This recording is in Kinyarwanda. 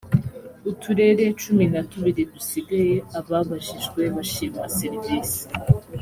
uturere cumi na tubiri dusigaye ababajijwe bashima serivisi